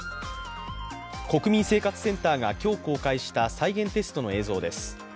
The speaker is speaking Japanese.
国民生活センターが今日公開した再現テストの映像です。